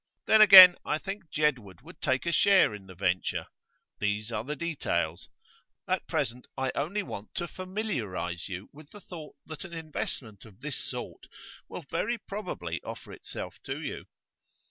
Then again, I think Jedwood would take a share in the venture. These are details. At present I only want to familiarise you with the thought that an investment of this sort will very probably offer itself to you.